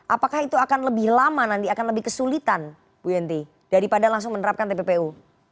apakah itu akan lebih lama nanti akan lebih kesulitan bu yanti daripada langsung menerapkan tppu